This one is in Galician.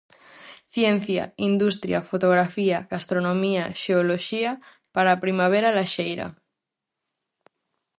Ciencia, industria, fotografía, gastronomía, xeoloxía para a primavera laxeira.